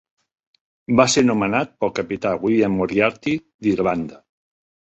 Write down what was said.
Va ser nomenat pel capità William Moriarty, d'Irlanda.